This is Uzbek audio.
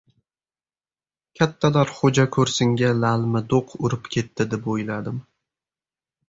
Kattalar xo‘jako‘rsinga lalmi do‘q urib ketdi, deb o‘yladim.